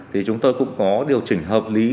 thì chúng tôi cũng có điều chỉnh hợp lý